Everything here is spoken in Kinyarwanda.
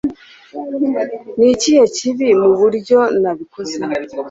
Ni ikihe kibi mu buryo nabikoze?